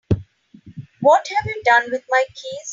What have you done with my keys?